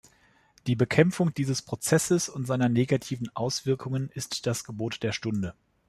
Die Bekämpfung dieses Prozesses und seiner negativen Auswirkungen ist das Gebot der Stunde.